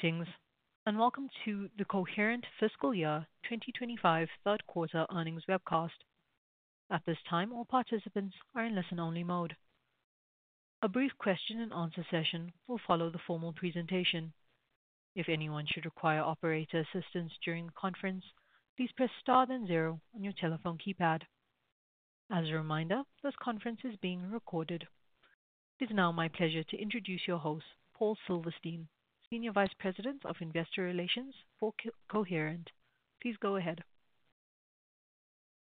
Greetings, and welcome to the Coherent Fiscal Year 2025 Third Quarter Earnings Webcast. At this time, all participants are in listen-only mode. A brief question-and-answer session will follow the formal presentation. If anyone should require operator assistance during the conference, please press star then zero on your telephone keypad. As a reminder, this conference is being recorded. It is now my pleasure to introduce your host, Paul Silverstein, Senior Vice President of Investor Relations for Coherent. Please go ahead.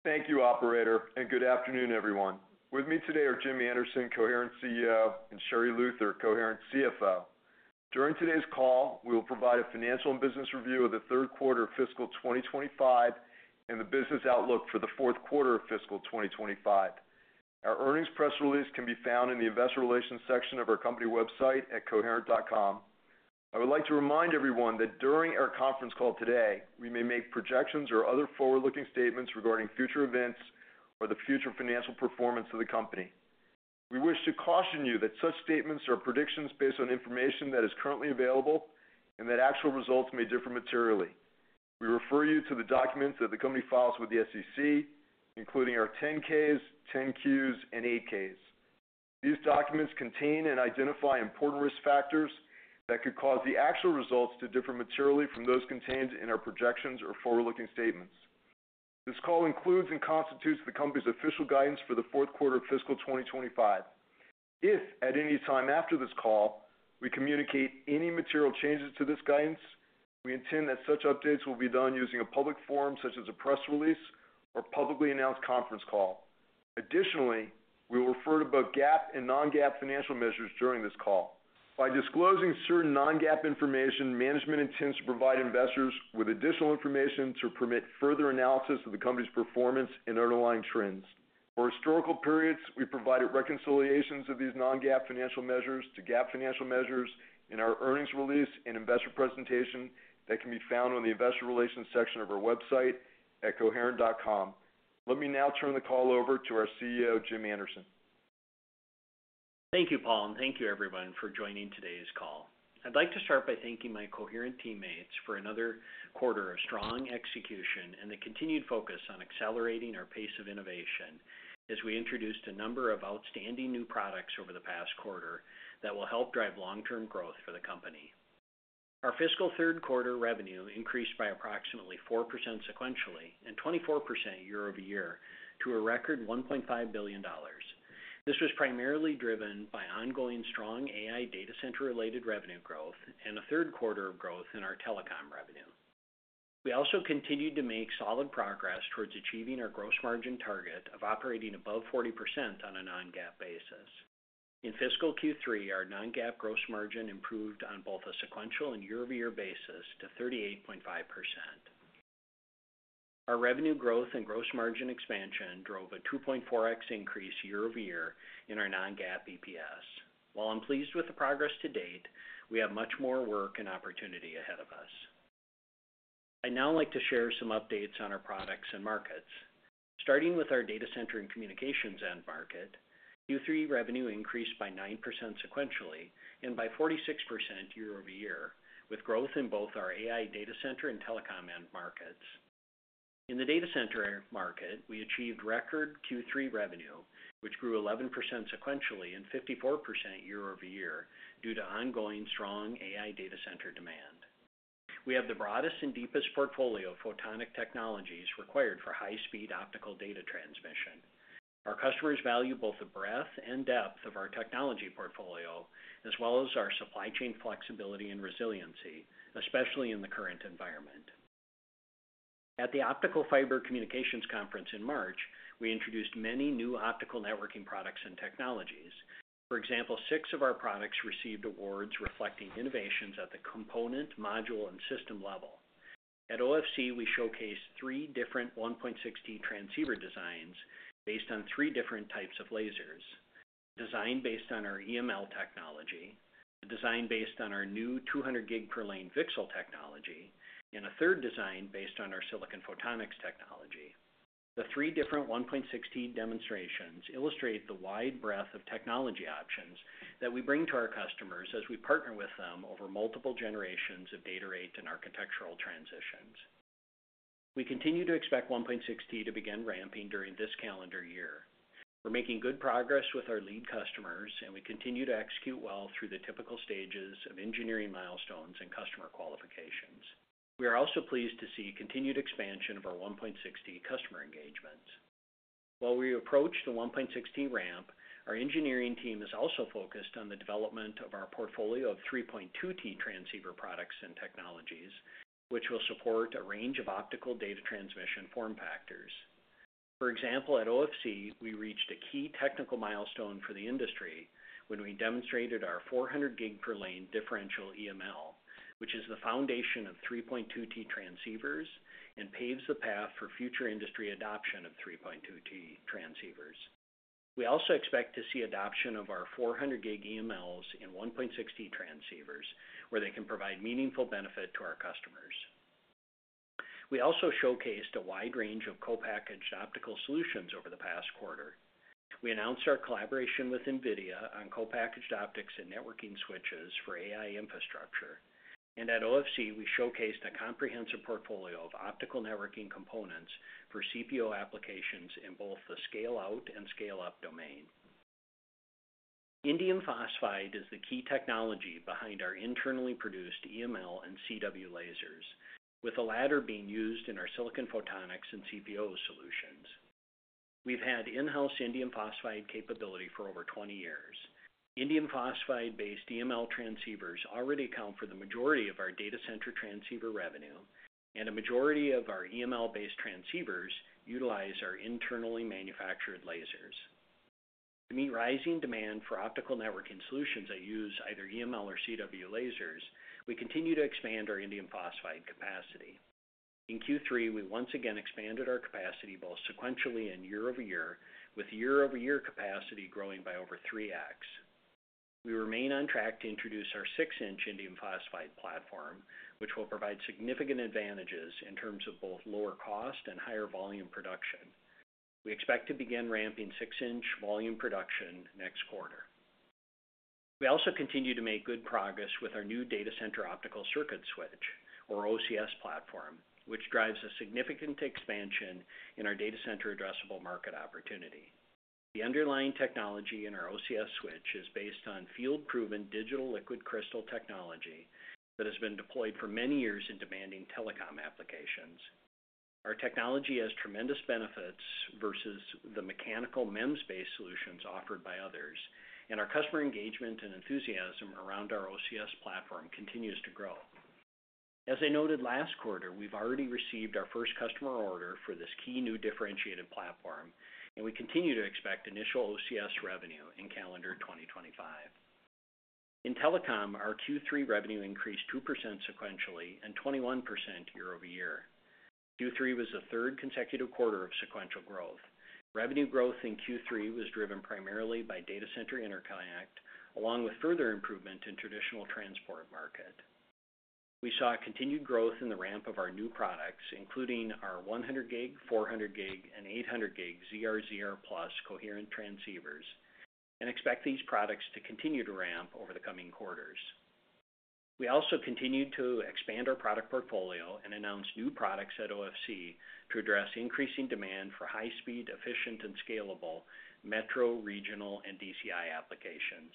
Thank you, Operator, and good afternoon, everyone. With me today are Jim Anderson, Coherent CEO, and Sherri Luther, Coherent CFO. During today's call, we will provide a financial and business review of the third quarter of fiscal 2025 and the business outlook for the fourth quarter of fiscal 2025. Our earnings press release can be found in the investor relations section of our company website at coherent.com. I would like to remind everyone that during our conference call today, we may make projections or other forward-looking statements regarding future events or the future financial performance of the company. We wish to caution you that such statements are predictions based on information that is currently available and that actual results may differ materially. We refer you to the documents that the company files with the SEC, including our 10-Ks, 10-Qs, and 8-Ks. These documents contain and identify important risk factors that could cause the actual results to differ materially from those contained in our projections or forward-looking statements. This call includes and constitutes the company's official guidance for the fourth quarter of fiscal 2025. If at any time after this call we communicate any material changes to this guidance, we intend that such updates will be done using a public forum such as a press release or publicly announced conference call. Additionally, we will refer to both GAAP and non-GAAP financial measures during this call. By disclosing certain non-GAAP information, management intends to provide investors with additional information to permit further analysis of the company's performance and underlying trends. For historical periods, we provided reconciliations of these non-GAAP financial measures to GAAP financial measures in our earnings release and investor presentation that can be found on the investor relations section of our website at coherent.com. Let me now turn the call over to our CEO, Jim Anderson. Thank you, Paul, and thank you, everyone, for joining today's call. I'd like to start by thanking my Coherent teammates for another quarter of strong execution and the continued focus on accelerating our pace of innovation as we introduced a number of outstanding new products over the past quarter that will help drive long-term growth for the company. Our fiscal third quarter revenue increased by approximately 4% sequentially and 24% year over year to a record $1.5 billion. This was primarily driven by ongoing strong AI data center-related revenue growth and a third quarter of growth in our telecom revenue. We also continued to make solid progress towards achieving our gross margin target of operating above 40% on a non-GAAP basis. In fiscal Q3, our non-GAAP gross margin improved on both a sequential and year-over-year basis to 38.5%. Our revenue growth and gross margin expansion drove a 2.4x increase year-over-year in our non-GAAP EPS. While I'm pleased with the progress to date, we have much more work and opportunity ahead of us. I'd now like to share some updates on our products and markets. Starting with our data center and communications end market, Q3 revenue increased by 9% sequentially and by 46% year-over-year, with growth in both our AI data center and telecom end markets. In the data center market, we achieved record Q3 revenue, which grew 11% sequentially and 54% year-over-year due to ongoing strong AI data center demand. We have the broadest and deepest portfolio of photonic technologies required for high-speed optical data transmission. Our customers value both the breadth and depth of our technology portfolio, as well as our supply chain flexibility and resiliency, especially in the current environment. At the Optical Fiber Communications Conference in March, we introduced many new optical networking products and technologies. For example, six of our products received awards reflecting innovations at the component, module, and system level. At OFC, we showcased three different 1.6T transceiver designs based on three different types of lasers: a design based on our EML technology, a design based on our new 200 gig per lane VCSEL technology, and a third design based on our silicon photonics technology. The three different 1.6T demonstrations illustrate the wide breadth of technology options that we bring to our customers as we partner with them over multiple generations of data rate and architectural transitions. We continue to expect 1.6T to begin ramping during this calendar year. We're making good progress with our lead customers, and we continue to execute well through the typical stages of engineering milestones and customer qualifications. We are also pleased to see continued expansion of our 1.6T customer engagements. While we approach the 1.6T ramp, our engineering team is also focused on the development of our portfolio of 3.2T transceiver products and technologies, which will support a range of optical data transmission form factors. For example, at OFC, we reached a key technical milestone for the industry when we demonstrated our 400 gig per lane differential EML, which is the foundation of 3.2T transceivers and paves the path for future industry adoption of 3.2T transceivers. We also expect to see adoption of our 400 gig EMLs in 1.6T transceivers, where they can provide meaningful benefit to our customers. We also showcased a wide range of co-packaged optical solutions over the past quarter. We announced our collaboration with NVIDIA on co-packaged optics and networking switches for AI infrastructure. At OFC, we showcased a comprehensive portfolio of optical networking components for CPO applications in both the scale-out and scale-up domain. Indium phosphide is the key technology behind our internally produced EML and CW lasers, with the latter being used in our silicon photonics and CPO solutions. We've had in-house indium phosphide capability for over 20 years. Indium phosphide-based EML transceivers already account for the majority of our data center transceiver revenue, and a majority of our EML-based transceivers utilize our internally manufactured lasers. To meet rising demand for optical networking solutions that use either EML or CW lasers, we continue to expand our indium phosphide capacity. In Q3, we once again expanded our capacity both sequentially and year-over-year, with year-over-year capacity growing by over 3x. We remain on track to introduce our 6-inch indium phosphide platform, which will provide significant advantages in terms of both lower cost and higher volume production. We expect to begin ramping 6-inch volume production next quarter. We also continue to make good progress with our new data center optical circuit switch, or OCS platform, which drives a significant expansion in our data center addressable market opportunity. The underlying technology in our OCS switch is based on field-proven digital liquid crystal technology that has been deployed for many years in demanding telecom applications. Our technology has tremendous benefits versus the mechanical MEMS-based solutions offered by others, and our customer engagement and enthusiasm around our OCS platform continues to grow. As I noted last quarter, we've already received our first customer order for this key new differentiated platform, and we continue to expect initial OCS revenue in calendar 2025. In telecom, our Q3 revenue increased 2% sequentially and 21% year-over-year. Q3 was the third consecutive quarter of sequential growth. Revenue growth in Q3 was driven primarily by data center interconnect, along with further improvement in traditional transport market. We saw continued growth in the ramp of our new products, including our 100G, 400G, and 800G ZR/ZR+ coherent transceivers, and expect these products to continue to ramp over the coming quarters. We also continued to expand our product portfolio and announced new products at OFC to address increasing demand for high-speed, efficient, and scalable metro, regional, and DCI applications.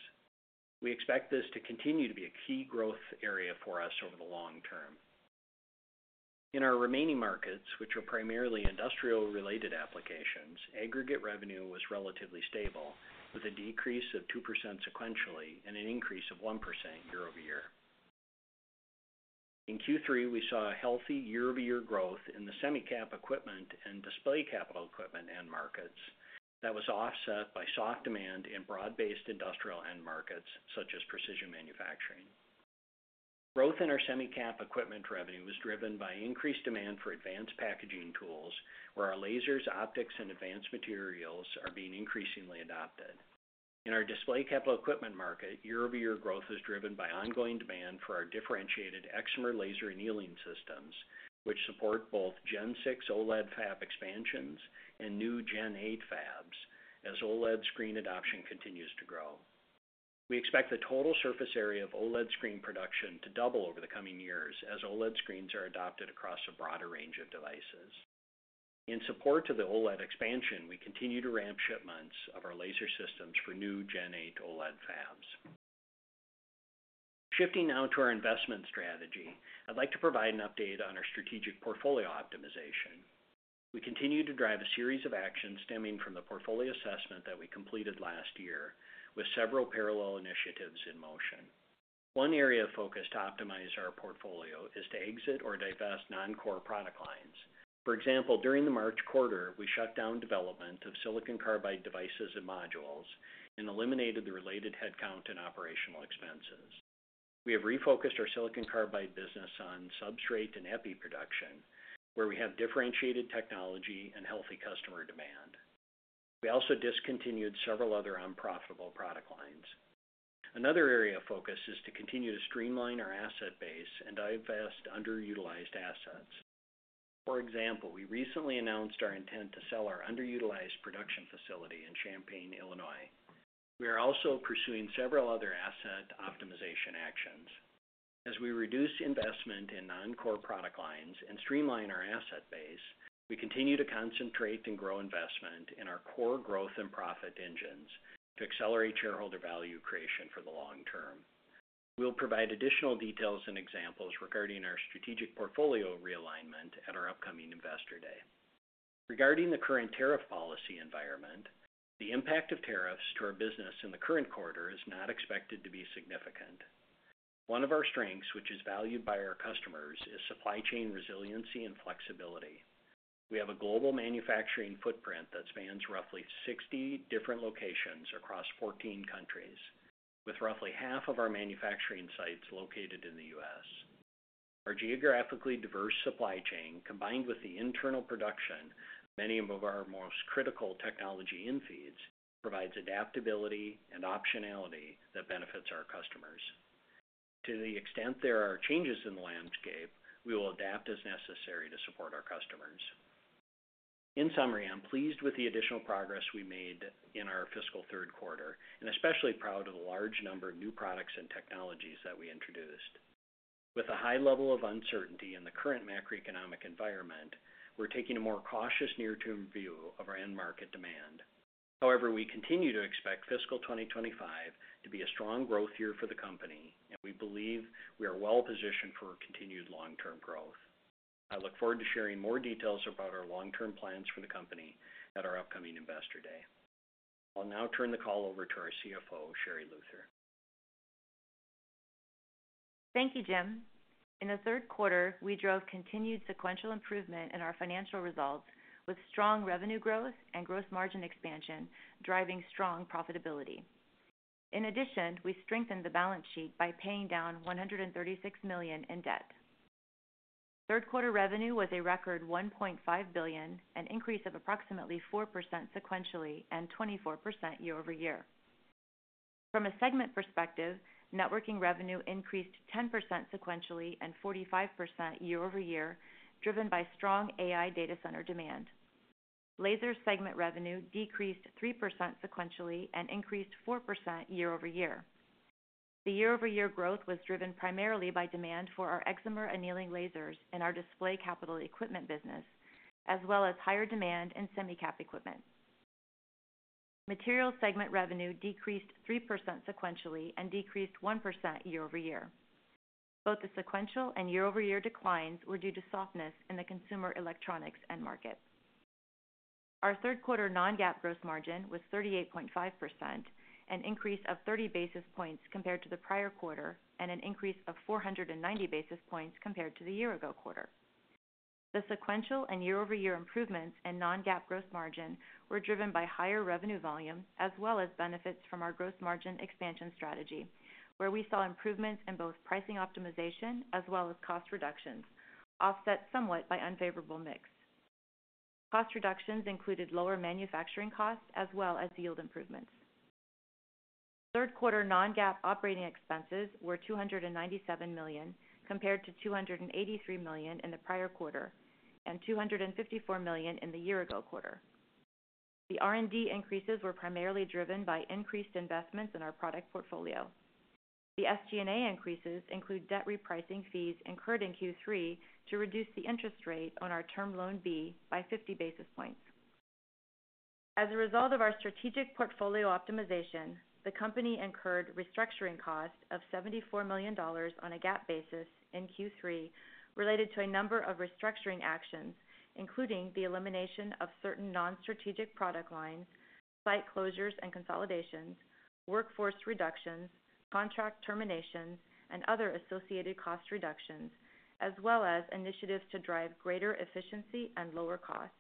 We expect this to continue to be a key growth area for us over the long term. In our remaining markets, which are primarily industrial-related applications, aggregate revenue was relatively stable, with a decrease of 2% sequentially and an increase of 1% year-over-year. In Q3, we saw healthy year-over-year growth in the semicap equipment and display capital equipment end markets that was offset by soft demand in broad-based industrial end markets, such as precision manufacturing. Growth in our semicap equipment revenue was driven by increased demand for advanced packaging tools, where our lasers, optics, and advanced materials are being increasingly adopted. In our display capital equipment market, year-over-year growth was driven by ongoing demand for our differentiated Exmer laser annealing systems, which support both Gen 6 OLED fab expansions and new Gen-8 fabs, as OLED screen adoption continues to grow. We expect the total surface area of OLED screen production to double over the coming years, as OLED screens are adopted across a broader range of devices. In support to the OLED expansion, we continue to ramp shipments of our laser systems for new Gen-8 OLED fabs. Shifting now to our investment strategy, I'd like to provide an update on our strategic portfolio optimization. We continue to drive a series of actions stemming from the portfolio assessment that we completed last year, with several parallel initiatives in motion. One area of focus to optimize our portfolio is to exit or divest non-core product lines. For example, during the March quarter, we shut down development of silicon carbide devices and modules and eliminated the related headcount and operational expenses. We have refocused our silicon carbide business on substrate and EPI production, where we have differentiated technology and healthy customer demand. We also discontinued several other unprofitable product lines. Another area of focus is to continue to streamline our asset base and divest underutilized assets. For example, we recently announced our intent to sell our underutilized production facility in Champaign, Illinois. We are also pursuing several other asset optimization actions. As we reduce investment in non-core product lines and streamline our asset base, we continue to concentrate and grow investment in our core growth and profit engines to accelerate shareholder value creation for the long term. We will provide additional details and examples regarding our strategic portfolio realignment at our upcoming investor day. Regarding the current tariff policy environment, the impact of tariffs to our business in the current quarter is not expected to be significant. One of our strengths, which is valued by our customers, is supply chain resiliency and flexibility. We have a global manufacturing footprint that spans roughly 60 different locations across 14 countries, with roughly half of our manufacturing sites located in the U.S. Our geographically diverse supply chain, combined with the internal production, many of our most critical technology infeeds, provides adaptability and optionality that benefits our customers. To the extent there are changes in the landscape, we will adapt as necessary to support our customers. In summary, I'm pleased with the additional progress we made in our fiscal third quarter and especially proud of the large number of new products and technologies that we introduced. With a high level of uncertainty in the current macroeconomic environment, we're taking a more cautious near-term view of our end market demand. However, we continue to expect fiscal 2025 to be a strong growth year for the company, and we believe we are well-positioned for continued long-term growth. I look forward to sharing more details about our long-term plans for the company at our upcoming investor day. I'll now turn the call over to our CFO, Sherri Luther. Thank you, Jim. In the third quarter, we drove continued sequential improvement in our financial results, with strong revenue growth and gross margin expansion driving strong profitability. In addition, we strengthened the balance sheet by paying down $136 million in debt. Third quarter revenue was a record $1.5 billion, an increase of approximately 4% sequentially and 24% year-over-year. From a segment perspective, networking revenue increased 10% sequentially and 45% year-over-year, driven by strong AI data center demand. Laser segment revenue decreased 3% sequentially and increased 4% year-over-year. The year-over-year growth was driven primarily by demand for our Exmer annealing lasers in our display capital equipment business, as well as higher demand in semicap equipment. Material segment revenue decreased 3% sequentially and decreased 1% year-over-year. Both the sequential and year-over-year declines were due to softness in the consumer electronics end market. Our third quarter non-GAAP gross margin was 38.5%, an increase of 30 basis points compared to the prior quarter, and an increase of 490 basis points compared to the year-ago quarter. The sequential and year-over-year improvements in non-GAAP gross margin were driven by higher revenue volume, as well as benefits from our gross margin expansion strategy, where we saw improvements in both pricing optimization as well as cost reductions, offset somewhat by unfavorable mix. Cost reductions included lower manufacturing costs as well as yield improvements. Third quarter non-GAAP operating expenses were $297 million compared to $283 million in the prior quarter and $254 million in the year-ago quarter. The R&D increases were primarily driven by increased investments in our product portfolio. The SG&A increases include debt repricing fees incurred in Q3 to reduce the interest rate on our term loan B by 50 basis points. As a result of our strategic portfolio optimization, the company incurred restructuring costs of $74 million on a GAAP basis in Q3 related to a number of restructuring actions, including the elimination of certain non-strategic product lines, site closures and consolidations, workforce reductions, contract terminations, and other associated cost reductions, as well as initiatives to drive greater efficiency and lower costs.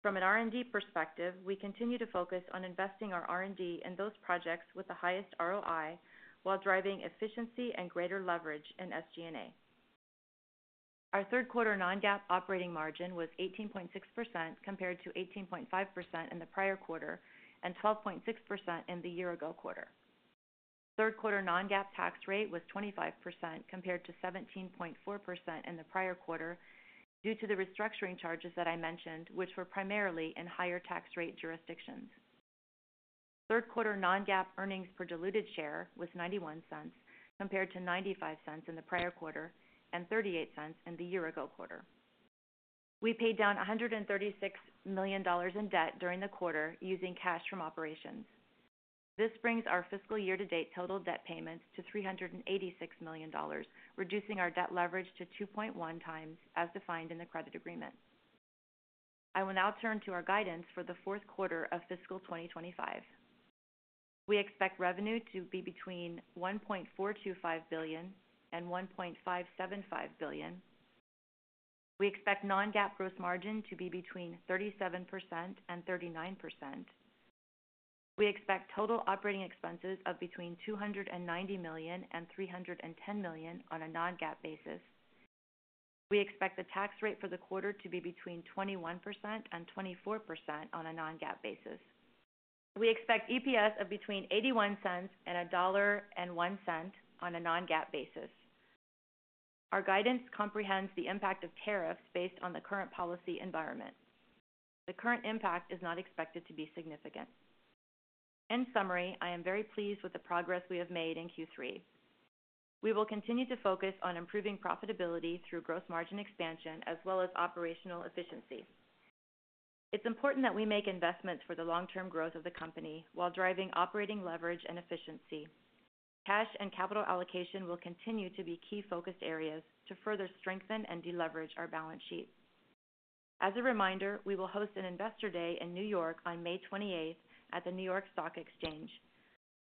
From an R&D perspective, we continue to focus on investing our R&D in those projects with the highest ROI while driving efficiency and greater leverage in SG&A. Our third quarter non-GAAP operating margin was 18.6% compared to 18.5% in the prior quarter and 12.6% in the year-ago quarter. Third quarter non-GAAP tax rate was 25% compared to 17.4% in the prior quarter due to the restructuring charges that I mentioned, which were primarily in higher tax rate jurisdictions. Third quarter non-GAAP earnings per diluted share was $0.91 compared to $0.95 in the prior quarter and $0.38 in the year-ago quarter. We paid down $136 million in debt during the quarter using cash from operations. This brings our fiscal year-to-date total debt payments to $386 million, reducing our debt leverage to 2.1 times as defined in the credit agreement. I will now turn to our guidance for the fourth quarter of fiscal 2025. We expect revenue to be between $1.425 billion and $1.575 billion. We expect non-GAAP gross margin to be between 37% and 39%. We expect total operating expenses of between $290 million and $310 million on a non-GAAP basis. We expect the tax rate for the quarter to be between 21% and 24% on a non-GAAP basis. We expect EPS of between $0.81 and $1.01 on a non-GAAP basis. Our guidance comprehends the impact of tariffs based on the current policy environment. The current impact is not expected to be significant. In summary, I am very pleased with the progress we have made in Q3. We will continue to focus on improving profitability through gross margin expansion as well as operational efficiency. It's important that we make investments for the long-term growth of the company while driving operating leverage and efficiency. Cash and capital allocation will continue to be key focused areas to further strengthen and deleverage our balance sheet. As a reminder, we will host an investor day in New York on May 28th at the New York Stock Exchange.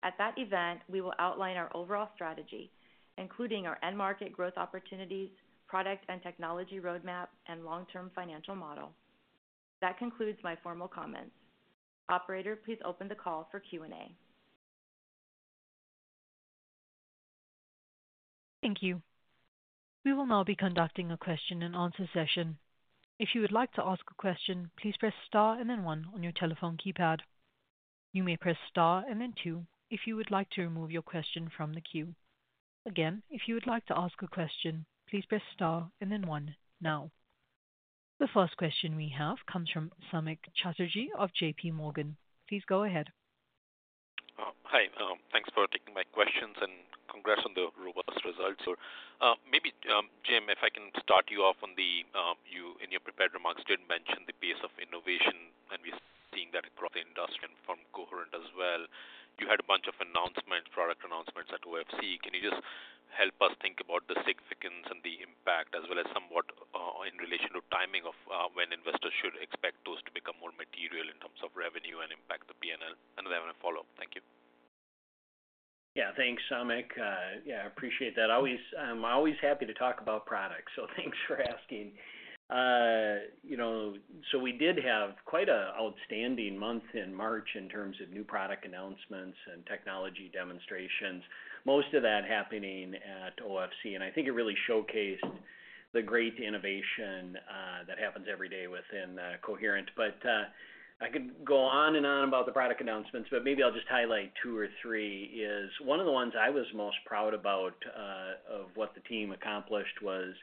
At that event, we will outline our overall strategy, including our end market growth opportunities, product and technology roadmap, and long-term financial model. That concludes my formal comments. Operator, please open the call for Q&A. Thank you. We will now be conducting a question and answer session. If you would like to ask a question, please press Star and then 1 on your telephone keypad. You may press Star and then two if you would like to remove your question from the queue. Again, if you would like to ask a question, please press Star and then one now. The first question we have comes from Samik Chatterjee of JPMorgan. Please go ahead. Hi. Thanks for taking my questions and congrats on the robust results. Or maybe, Jim, if I can start you off on the—you in your prepared remarks did mention the pace of innovation, and we're seeing that across the industry and from Coherent as well. You had a bunch of product announcements at OFC. Can you just help us think about the significance and the impact, as well as somewhat in relation to timing of when investors should expect those to become more material in terms of revenue and impact the P&L? And then I have a follow-up. Thank you. Yeah. Thanks, Samik. Yeah, I appreciate that. I'm always happy to talk about products, so thanks for asking. So we did have quite an outstanding month in March in terms of new product announcements and technology demonstrations, most of that happening at OFC. I think it really showcased the great innovation that happens every day within Coherent. I could go on and on about the product announcements, but maybe I'll just highlight two or three. One of the ones I was most proud about of what the team accomplished was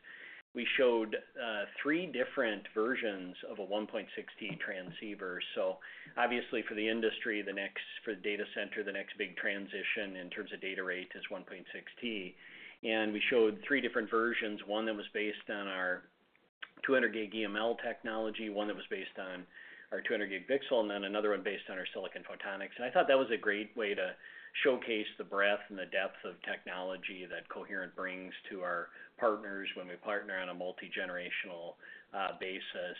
we showed three different versions of a 1.6T transceiver. Obviously, for the industry, for the data center, the next big transition in terms of data rate is 1.6T. We showed three different versions: one that was based on our 200 gig EML technology, one that was based on our 200 gig VCSEL, and then another one based on our silicon photonics. I thought that was a great way to showcase the breadth and the depth of technology that Coherent brings to our partners when we partner on a multi-generational basis.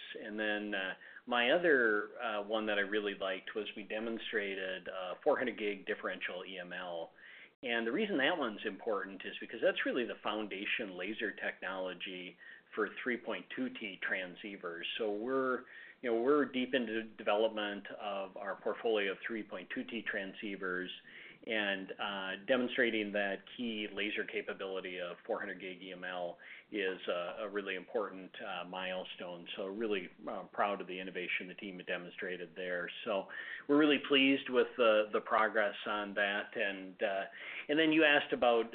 My other one that I really liked was we demonstrated a 400 gig differential EML. The reason that one's important is because that's really the foundation laser technology for 3.2T transceivers. We're deep into development of our portfolio of 3.2T transceivers and demonstrating that key laser capability of 400-gig EML is a really important milestone. Really proud of the innovation the team had demonstrated there. We're really pleased with the progress on that. You asked about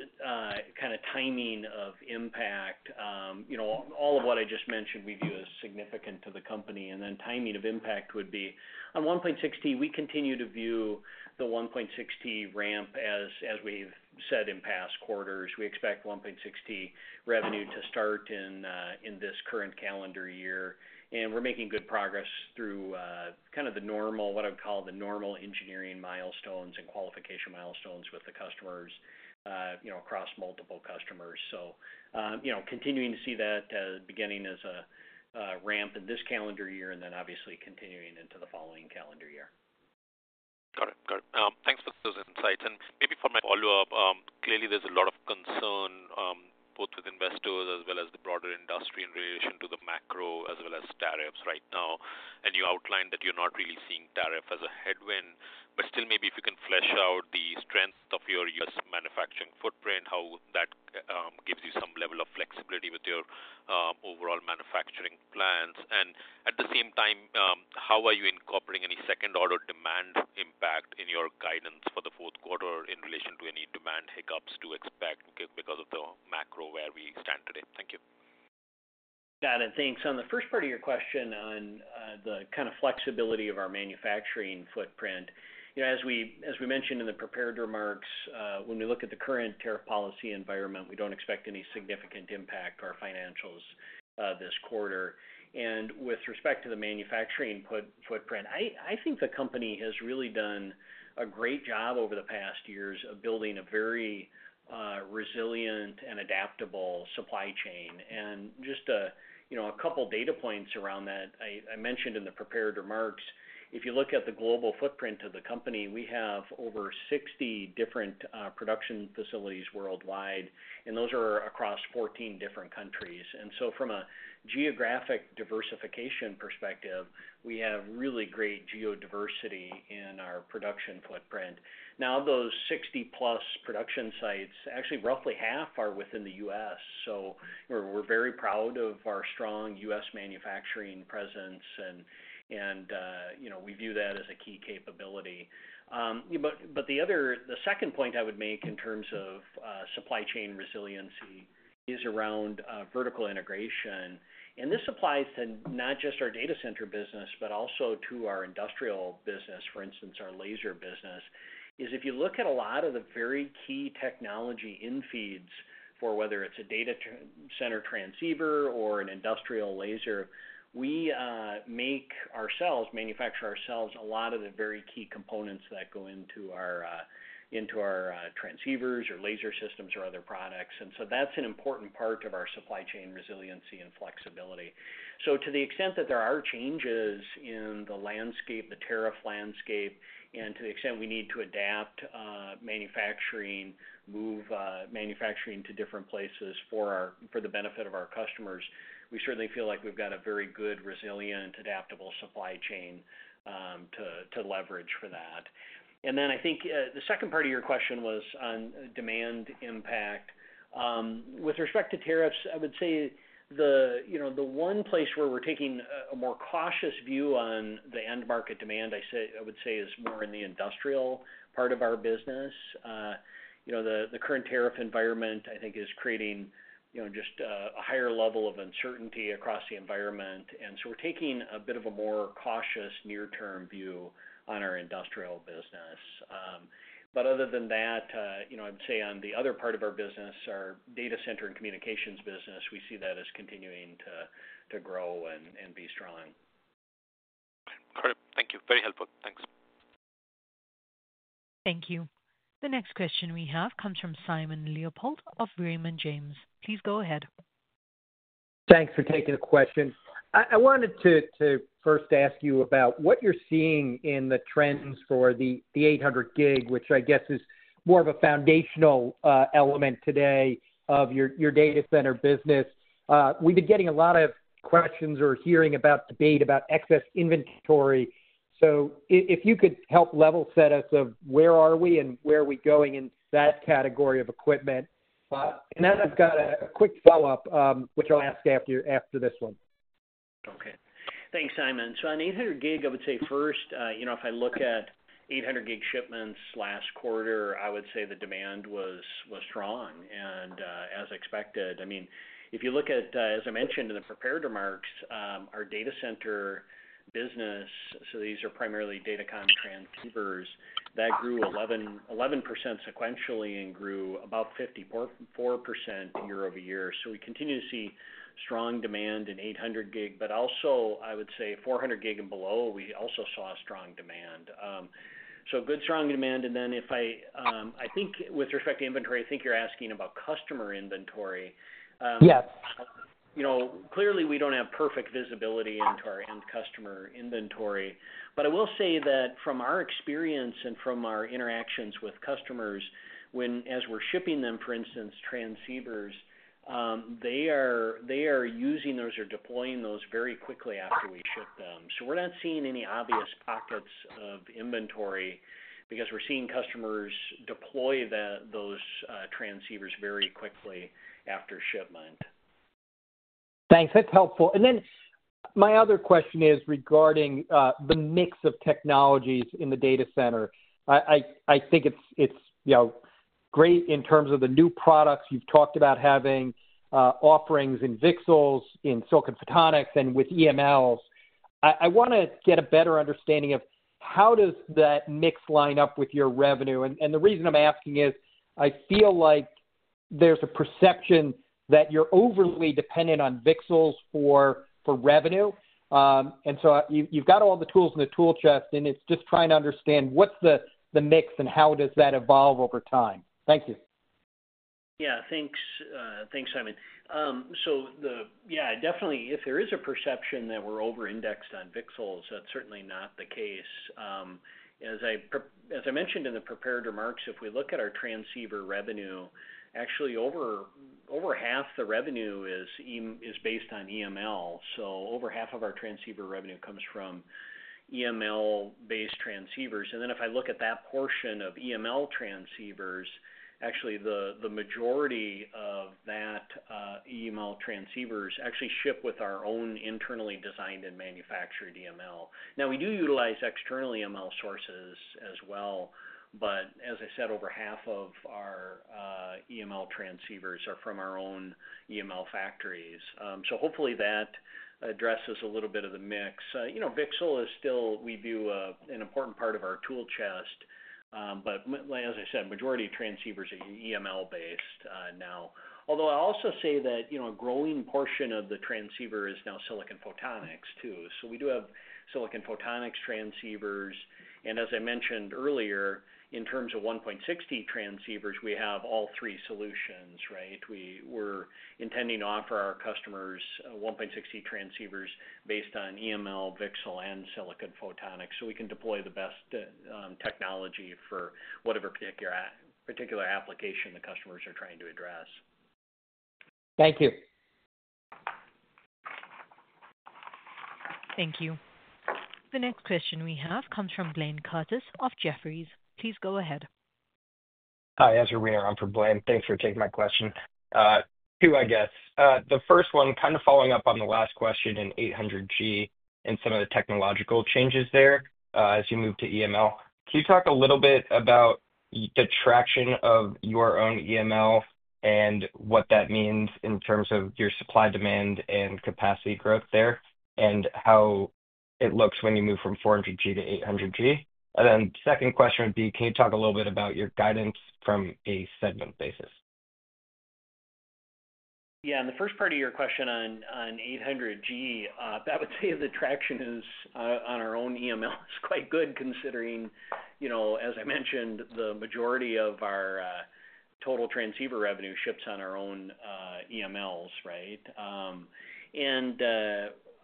kind of timing of impact. All of what I just mentioned we view as significant to the company. Timing of impact would be on 1.6T. We continue to view the 1.6T ramp as we've said in past quarters. We expect 1.6T revenue to start in this current calendar year. We're making good progress through kind of what I would call the normal engineering milestones and qualification milestones with the customers across multiple customers. Continuing to see that beginning as a ramp in this calendar year and then obviously continuing into the following calendar year. Got it. Got it. Thanks for those insights. Maybe for my follow-up, clearly there's a lot of concern both with investors as well as the broader industry in relation to the macro as well as tariffs right now. You outlined that you're not really seeing tariff as a headwind, but still maybe if you can flesh out the strength of your U.S. manufacturing footprint, how that gives you some level of flexibility with your overall manufacturing plans. At the same time, how are you incorporating any second-order demand impact in your guidance for the fourth quarter in relation to any demand hiccups to expect because of the macro where we stand today? Thank you. Got it. Thanks. On the first part of your question on the kind of flexibility of our manufacturing footprint, as we mentioned in the prepared remarks, when we look at the current tariff policy environment, we do not expect any significant impact on our financials this quarter. With respect to the manufacturing footprint, I think the company has really done a great job over the past years of building a very resilient and adaptable supply chain. Just a couple of data points around that. I mentioned in the prepared remarks, if you look at the global footprint of the company, we have over 60 different production facilities worldwide, and those are across 14 different countries. From a geographic diversification perspective, we have really great geodiversity in our production footprint. Of those 60-plus production sites, actually roughly half are within the U.S. We're very proud of our strong U.S. manufacturing presence, and we view that as a key capability. The second point I would make in terms of supply chain resiliency is around vertical integration. This applies to not just our data center business, but also to our industrial business, for instance, our laser business. If you look at a lot of the very key technology in feeds for whether it's a data center transceiver or an industrial laser, we make ourselves, manufacture ourselves a lot of the very key components that go into our transceivers or laser systems or other products. That's an important part of our supply chain resiliency and flexibility. To the extent that there are changes in the landscape, the tariff landscape, and to the extent we need to adapt manufacturing, move manufacturing to different places for the benefit of our customers, we certainly feel like we've got a very good, resilient, adaptable supply chain to leverage for that. I think the second part of your question was on demand impact. With respect to tariffs, I would say the one place where we're taking a more cautious view on the end market demand, I would say, is more in the industrial part of our business. The current tariff environment, I think, is creating just a higher level of uncertainty across the environment. We are taking a bit of a more cautious near-term view on our industrial business. Other than that, I would say on the other part of our business, our data center and communications business, we see that as continuing to grow and be strong. Got it. Thank you. Very helpful. Thanks. Thank you. The next question we have comes from Simon Leopold of Raymond James. Please go ahead. Thanks for taking the question. I wanted to first ask you about what you are seeing in the trends for the 800gig, which I guess is more of a foundational element today of your data center business. We have been getting a lot of questions or hearing about debate about excess inventory. If you could help level set us of where are we and where are we going in that category of equipment. I have a quick follow-up, which I will ask after this one. Okay. Thanks, Simon. On 800gig, I would say first, if I look at 800gig shipments last quarter, I would say the demand was strong and as expected. I mean, if you look at, as I mentioned in the prepared remarks, our data center business, so these are primarily datacom transceivers, that grew 11% sequentially and grew about 54% year over year. We continue to see strong demand in 800gig, but also, I would say 400gig and below, we also saw strong demand. Good, strong demand. I think with respect to inventory, I think you're asking about customer inventory. Yes. Clearly, we do not have perfect visibility into our end customer inventory. I will say that from our experience and from our interactions with customers, when as we're shipping them, for instance, transceivers, they are using those or deploying those very quickly after we ship them. So we're not seeing any obvious pockets of inventory because we're seeing customers deploy those transceivers very quickly after shipment. Thanks. That's helpful. My other question is regarding the mix of technologies in the data center. I think it's great in terms of the new products you've talked about having, offerings in VCSELs, in silicon photonics, and with EMLs. I want to get a better understanding of how does that mix line up with your revenue. The reason I'm asking is I feel like there's a perception that you're overly dependent on VCSELs for revenue. You've got all the tools in the tool chest, and it's just trying to understand what's the mix and how does that evolve over time. Thank you. Yeah. Thanks, Simon. Yeah, definitely, if there is a perception that we're over-indexed on VCSELs, that's certainly not the case. As I mentioned in the prepared remarks, if we look at our transceiver revenue, actually over half the revenue is based on EML. Over half of our transceiver revenue comes from EML-based transceivers. If I look at that portion of EML transceivers, the majority of those EML transceivers actually ship with our own internally designed and manufactured EML. We do utilize external EML sources as well, but as I said, over half of our EML transceivers are from our own EML factories. Hopefully that addresses a little bit of the mix. VCSEL is still, we view, an important part of our tool chest. As I said, the majority of transceivers are EML-based now. I'll also say that a growing portion of the transceiver is now silicon photonics too. We do have silicon photonics transceivers. As I mentioned earlier, in terms of 1.6T transceivers, we have all three solutions, right? We're intending to offer our customers 1.6T transceivers based on EML, VCSEL, and silicon photonics so we can deploy the best technology for whatever particular application the customers are trying to address. Thank you. Thank you. The next question we have comes from Blaine Curtis of Jefferies. Please go ahead. Hi, [as you're reading.] I'm from Blaine. Thanks for taking my question. Two, I guess. The first one, kind of following up on the last question in 800G and some of the technological changes there as you move to EML. Can you talk a little bit about the traction of your own EML and what that means in terms of your supply demand and capacity growth there and how it looks when you move from 400G to 800G? Then the second question would be, can you talk a little bit about your guidance from a segment basis? Yeah. In the first part of your question on 800G, I would say the traction on our own EML is quite good considering, as I mentioned, the majority of our total transceiver revenue ships on our own EMLs, right?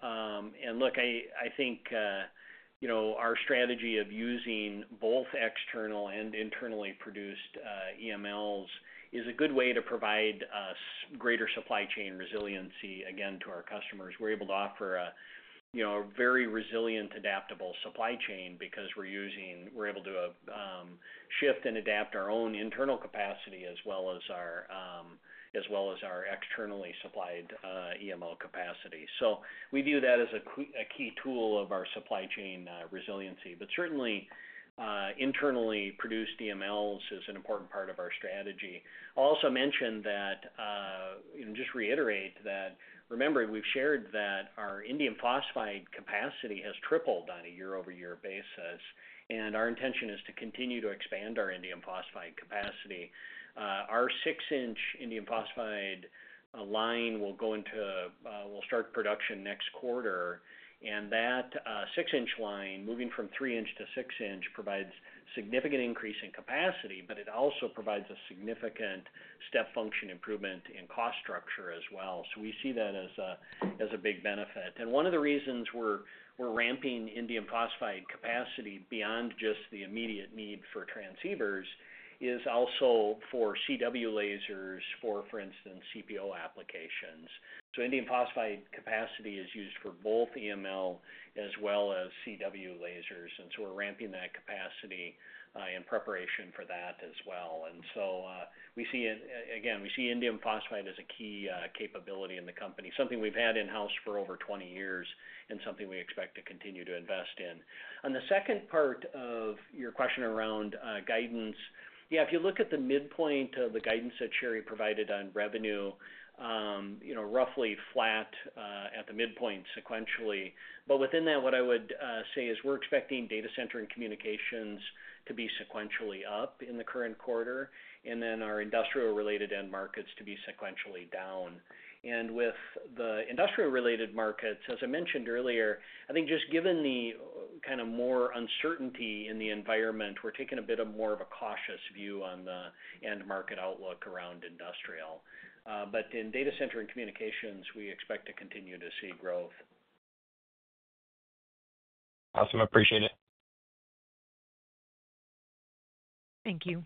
I think our strategy of using both external and internally produced EMLs is a good way to provide greater supply chain resiliency, again, to our customers. We're able to offer a very resilient, adaptable supply chain because we're able to shift and adapt our own internal capacity as well as our externally supplied EML capacity. We view that as a key tool of our supply chain resiliency. Certainly, internally produced EMLs is an important part of our strategy. I'll also mention that and just reiterate that, remember, we've shared that our indium phosphide capacity has tripled on a year-over-year basis. Our intention is to continue to expand our indium phosphide capacity. Our 6-inch indium phosphide line will go into—we'll start production next quarter. That 6-inch line, moving from 3-inch to 6-inch, provides a significant increase in capacity, but it also provides a significant step function improvement in cost structure as well. We see that as a big benefit. One of the reasons we're ramping indium phosphide capacity beyond just the immediate need for transceivers is also for CW lasers for, for instance, CPO applications. Indium phosphide capacity is used for both EML as well as CW lasers. We're ramping that capacity in preparation for that as well. We see it, again, we see indium phosphide as a key capability in the company, something we've had in-house for over 20 years and something we expect to continue to invest in. On the second part of your question around guidance, yeah, if you look at the midpoint of the guidance that Sherri provided on revenue, roughly flat at the midpoint sequentially. Within that, what I would say is we're expecting data center and communications to be sequentially up in the current quarter, and our industrial-related end markets to be sequentially down. With the industrial-related markets, as I mentioned earlier, I think just given the kind of more uncertainty in the environment, we're taking a bit more of a cautious view on the end market outlook around industrial. In data center and communications, we expect to continue to see growth. Awesome. Appreciate it. Thank you.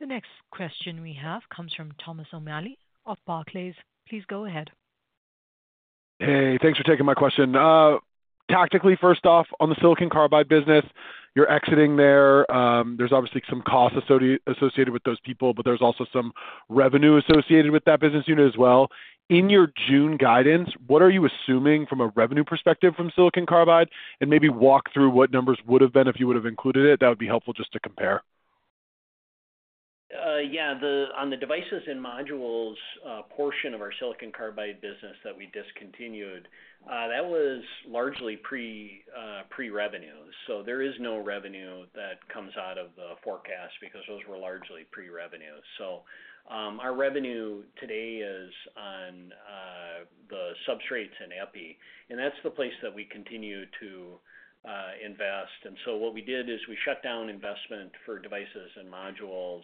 The next question we have comes from Thomas O'Malley of Barclays. Please go ahead. Hey, thanks for taking my question. Tactically, first off, on the silicon carbide business, you're exiting there. There's obviously some costs associated with those people, but there's also some revenue associated with that business unit as well. In your June guidance, what are you assuming from a revenue perspective from silicon carbide? And maybe walk through what numbers would have been if you would have included it. That would be helpful just to compare. Yeah. On the devices and modules portion of our silicon carbide business that we discontinued, that was largely pre-revenue. So there is no revenue that comes out of the forecast because those were largely pre-revenue. Our revenue today is on the substrates and EPI. That's the place that we continue to invest. What we did is we shut down investment for devices and modules,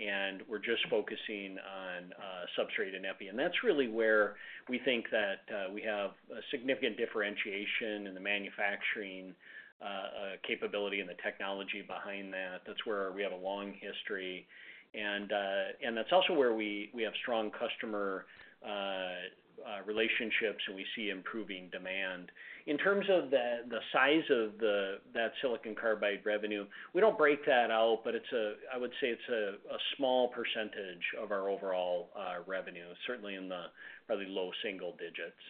and we're just focusing on substrate and EPI. That's really where we think that we have a significant differentiation in the manufacturing capability and the technology behind that. That's where we have a long history. That's also where we have strong customer relationships, and we see improving demand. In terms of the size of that silicon carbide revenue, we don't break that out, but I would say it's a small percentage of our overall revenue, certainly in the probably low single digits.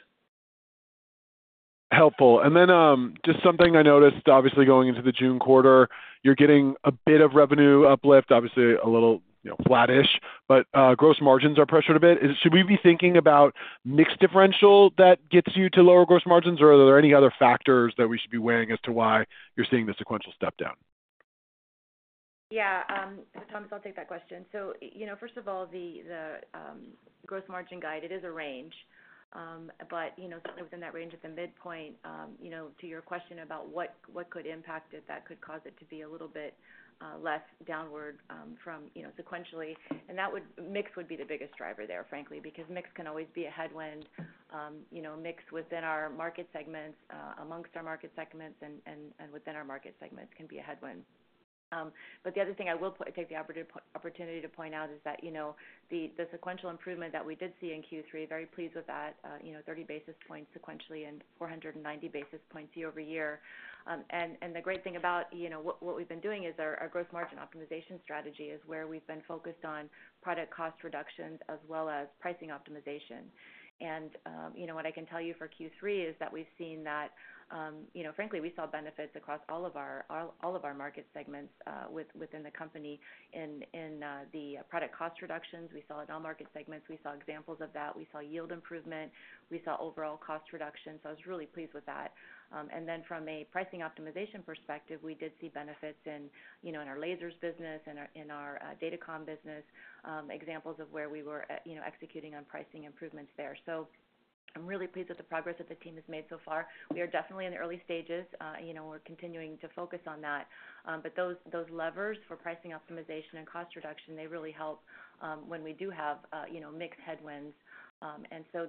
Helpful. Just something I noticed, obviously going into the June quarter, you're getting a bit of revenue uplift, obviously a little flattish, but gross margins are pressured a bit. Should we be thinking about mixed differential that gets you to lower gross margins, or are there any other factors that we should be weighing as to why you're seeing the sequential step down? Yeah. Thomas, I'll take that question. First of all, the gross margin guide, it is a range. Certainly within that range at the midpoint, to your question about what could impact it, that could cause it to be a little bit less downward from sequentially. Mix would be the biggest driver there, frankly, because mix can always be a headwind. Mix within our market segments, amongst our market segments, and within our market segments can be a headwind. The other thing I will take the opportunity to point out is that the sequential improvement that we did see in Q3, very pleased with that, 30 basis points sequentially and 490 basis points year-over-year. The great thing about what we've been doing is our gross margin optimization strategy is where we've been focused on product cost reductions as well as pricing optimization. What I can tell you for Q3 is that we've seen that, frankly, we saw benefits across all of our market segments within the company in the product cost reductions. We saw it in all market segments. We saw examples of that. We saw yield improvement. We saw overall cost reduction. I was really pleased with that. From a pricing optimization perspective, we did see benefits in our lasers business and in our datacom business, examples of where we were executing on pricing improvements there. I'm really pleased with the progress that the team has made so far. We are definitely in the early stages. We're continuing to focus on that. Those levers for pricing optimization and cost reduction really help when we do have mixed headwinds.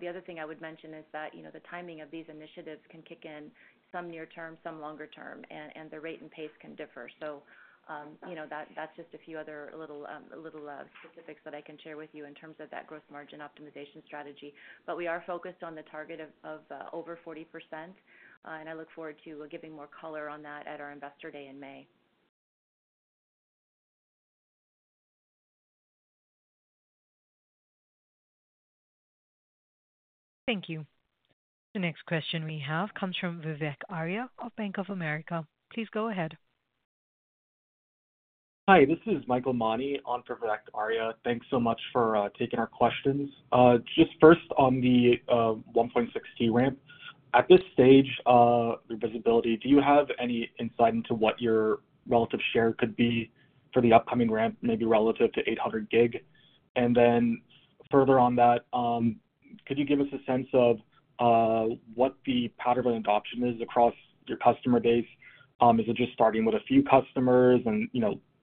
The other thing I would mention is that the timing of these initiatives can kick in some near term, some longer term, and the rate and pace can differ. That's just a few other little specifics that I can share with you in terms of that gross margin optimization strategy. We are focused on the target of over 40%. I look forward to giving more color on that at our investor day in May. Thank you. The next question we have comes from Vivek Arya of Bank of America. Please go ahead. Hi, this is Michael Mani on for Vivek Arya. Thanks so much for taking our questions. Just first on the 1.6T ramp, at this stage of your visibility, do you have any insight into what your relative share could be for the upcoming ramp, maybe relative to 800 gig? And then further on that, could you give us a sense of what the pattern of adoption is across your customer base? Is it just starting with a few customers and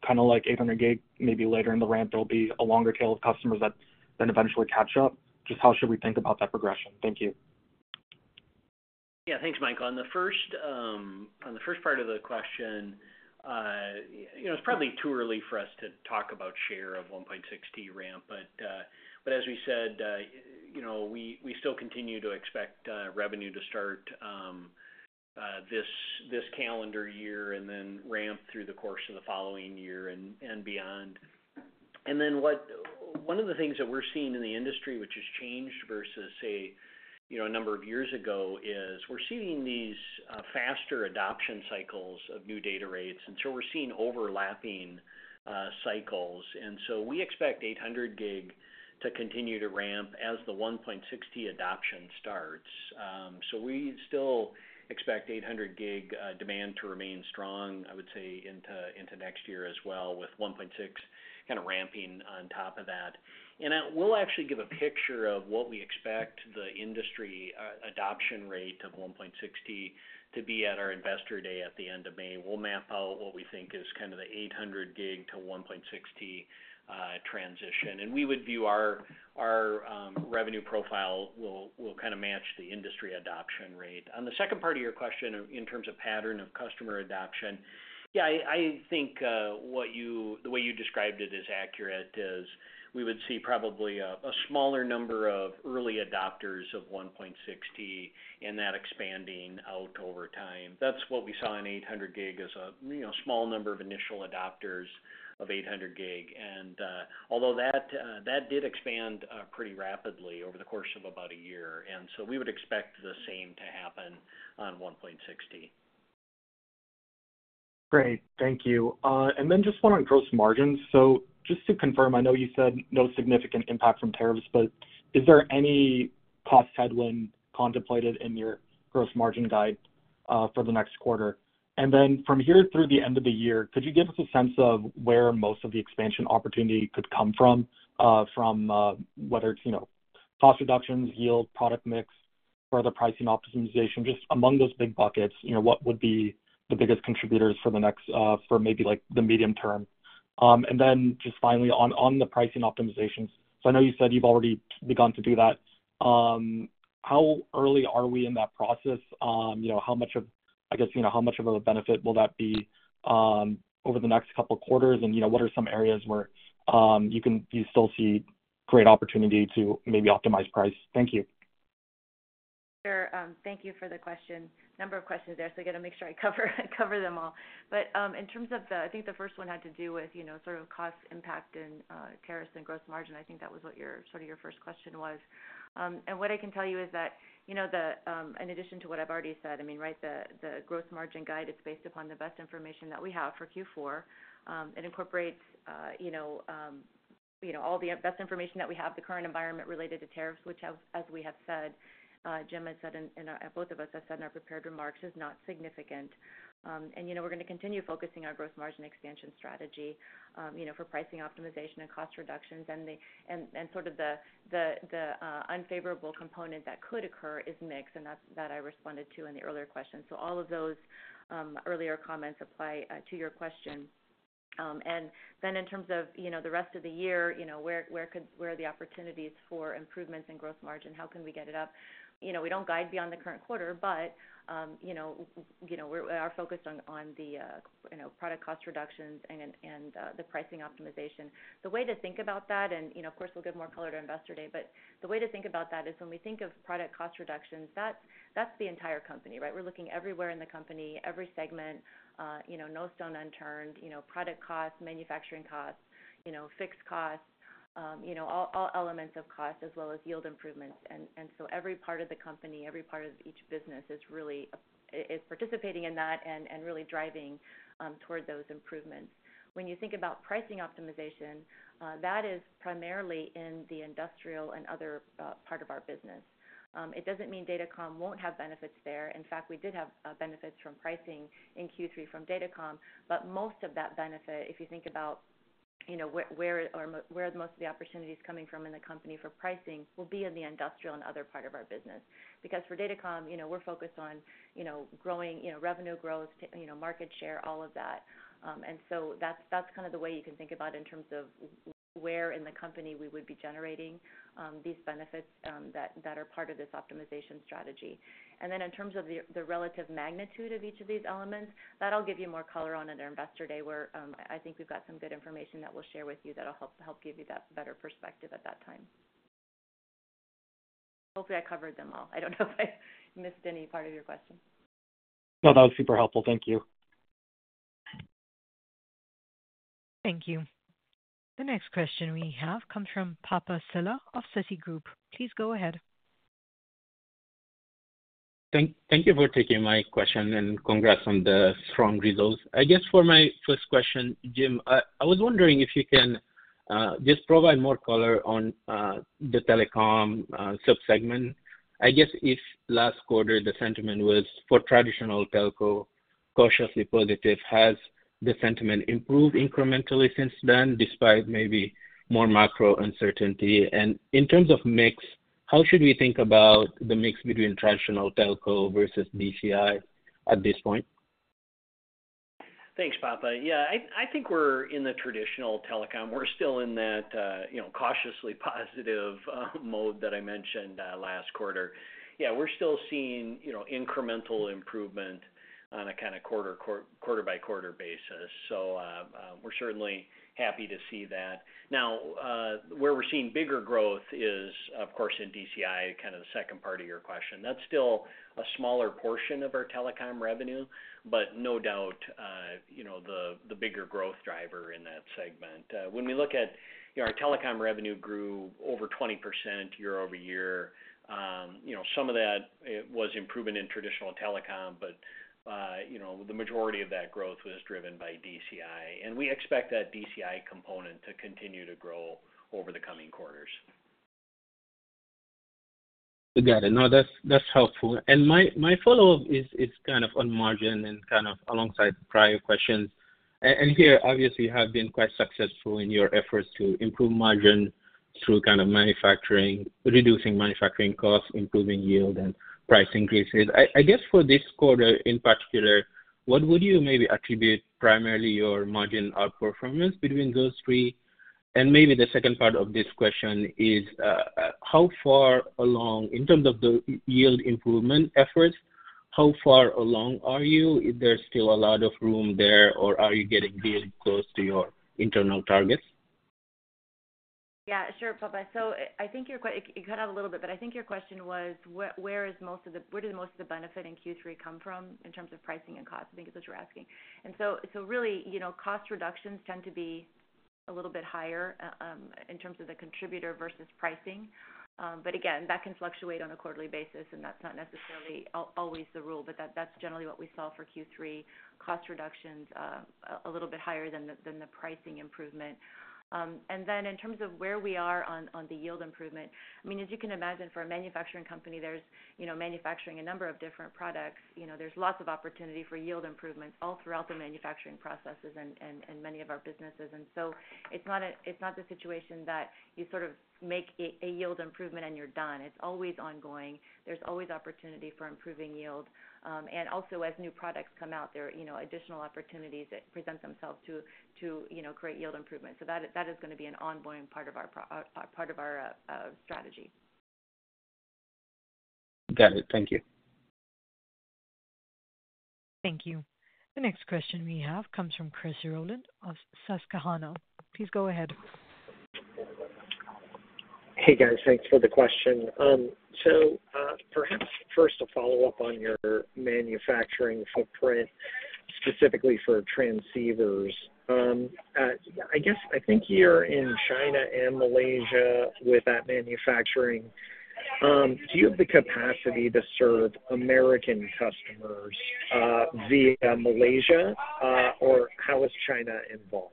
kind of like 800 gig? Maybe later in the ramp, there will be a longer tail of customers that then eventually catch up? Just how should we think about that progression? Thank you. Yeah. Thanks, Michael. On the first part of the question, it's probably too early for us to talk about share of 1.6T ramp. But as we said, we still continue to expect revenue to start this calendar year and then ramp through the course of the following year and beyond. One of the things that we're seeing in the industry, which has changed versus, say, a number of years ago, is we're seeing these faster adoption cycles of new data rates. We're seeing overlapping cycles. We expect 800 gig to continue to ramp as the 1.6T adoption starts. We still expect 800 gig demand to remain strong, I would say, into next year as well, with 1.6 kind of ramping on top of that. We will actually give a picture of what we expect the industry adoption rate of 1.6T to be at our investor day at the end of May. We will map out what we think is kind of the 800 gig to 1.6T transition. We would view our revenue profile will kind of match the industry adoption rate. On the second part of your question, in terms of pattern of customer adoption, yeah, I think the way you described it is accurate is we would see probably a smaller number of early adopters of 1.6T and that expanding out over time. That is what we saw in 800 gig as a small number of initial adopters of 800 gig. Although that did expand pretty rapidly over the course of about a year, we would expect the same to happen on 1.6T. Great. Thank you. Just one on gross margins. Just to confirm, I know you said no significant impact from tariffs, but is there any cost headwind contemplated in your gross margin guide for the next quarter? From here through the end of the year, could you give us a sense of where most of the expansion opportunity could come from, whether it is cost reductions, yield, product mix, further pricing optimization, just among those big buckets, what would be the biggest contributors for maybe the medium term? Finally, on the pricing optimizations, I know you said you have already begun to do that. How early are we in that process? How much of a benefit will that be over the next couple of quarters? What are some areas where you still see great opportunity to maybe optimize price? Thank you. Sure. Thank you for the number of questions there. I got to make sure I cover them all. In terms of the, I think the first one had to do with sort of cost impact and tariffs and gross margin. I think that was what sort of your first question was. What I can tell you is that in addition to what I've already said, I mean, right, the gross margin guide, it's based upon the best information that we have for Q4. It incorporates all the best information that we have, the current environment related to tariffs, which, as we have said, Jim has said, and both of us have said in our prepared remarks, is not significant. We're going to continue focusing our gross margin expansion strategy for pricing optimization and cost reductions. The unfavorable component that could occur is mix, and that I responded to in the earlier question. All of those earlier comments apply to your question. In terms of the rest of the year, where are the opportunities for improvements in gross margin? How can we get it up? We do not guide beyond the current quarter, but we are focused on the product cost reductions and the pricing optimization. The way to think about that, and of course, we will give more color to investor day, but the way to think about that is when we think of product cost reductions, that is the entire company, right? We are looking everywhere in the company, every segment, no stone unturned, product costs, manufacturing costs, fixed costs, all elements of cost, as well as yield improvements. Every part of the company, every part of each business is participating in that and really driving toward those improvements. When you think about pricing optimization, that is primarily in the industrial and other part of our business. It does not mean datacom will not have benefits there. In fact, we did have benefits from pricing in Q3 from datacom. Most of that benefit, if you think about where most of the opportunity is coming from in the company for pricing, will be in the industrial and other part of our business. For datacom, we are focused on growing revenue growth, market share, all of that. That is the way you can think about in terms of where in the company we would be generating these benefits that are part of this optimization strategy. In terms of the relative magnitude of each of these elements, that'll give you more color at our investor day where I think we've got some good information that we'll share with you that'll help give you that better perspective at that time. Hopefully, I covered them all. I don't know if I missed any part of your question. No, that was super helpful. Thank you. Thank you. The next question we have comes from Papa Sylla of Citi Group. Please go ahead. Thank you for taking my question and congrats on the strong results. I guess for my first question, Jim, I was wondering if you can just provide more color on the telecom subsegment. I guess if last quarter the sentiment was for traditional telco cautiously positive, has the sentiment improved incrementally since then despite maybe more macro uncertainty? In terms of mix, how should we think about the mix between traditional telco versus DCI at this point? Thanks, Papa. Yeah, I think we're in the traditional telecom. We're still in that cautiously positive mode that I mentioned last quarter. Yeah, we're still seeing incremental improvement on a kind of quarter-by-quarter basis. We're certainly happy to see that. Now, where we're seeing bigger growth is, of course, in DCI, kind of the second part of your question. That's still a smaller portion of our telecom revenue, but no doubt the bigger growth driver in that segment. When we look at our telecom revenue grew over 20% year over year. Some of that was improvement in traditional telecom, but the majority of that growth was driven by DCI. We expect that DCI component to continue to grow over the coming quarters. You got it. No, that's helpful. My follow-up is kind of on margin and kind of alongside prior questions. Here, obviously, you have been quite successful in your efforts to improve margin through kind of reducing manufacturing costs, improving yield, and price increases. I guess for this quarter in particular, what would you maybe attribute primarily your margin outperformance between those three? The second part of this question is how far along in terms of the yield improvement efforts, how far along are you? Is there still a lot of room there, or are you getting really close to your internal targets? Yeah, sure, Papa. I think you cut out a little bit, but I think your question was, where does most of the benefit in Q3 come from in terms of pricing and cost? I think is what you're asking. Really, cost reductions tend to be a little bit higher in terms of the contributor versus pricing. Again, that can fluctuate on a quarterly basis, and that's not necessarily always the rule. That's generally what we saw for Q3, cost reductions a little bit higher than the pricing improvement. In terms of where we are on the yield improvement, I mean, as you can imagine, for a manufacturing company, there's manufacturing a number of different products. There's lots of opportunity for yield improvements all throughout the manufacturing processes and many of our businesses. It's not the situation that you sort of make a yield improvement and you're done. It's always ongoing. There's always opportunity for improving yield. Also, as new products come out, there are additional opportunities that present themselves to create yield improvements. That is going to be an ongoing part of our strategy. Got it. Thank you. Thank you. The next question we have comes from Chris Rolland of Susquehanna. Please go ahead. Hey, guys. Thanks for the question. Perhaps first, a follow-up on your manufacturing footprint, specifically for transceivers. I think you're in China and Malaysia with that manufacturing. Do you have the capacity to serve American customers via Malaysia, or how is China involved